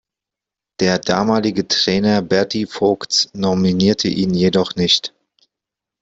Der damalige Trainer Berti Vogts nominierte ihn jedoch nicht.